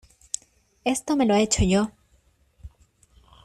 esto me lo he hecho yo.